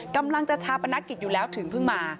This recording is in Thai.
กำลังจะชาปนกิจอยู่แล้วถึงเพิ่งมา